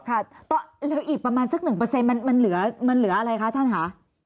ค่ะแล้วอีกประมาณสัก๑มันเหลืออะไรคะท่านคะ